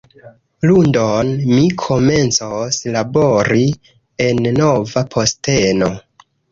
Lundon, mi komencos labori en nova posteno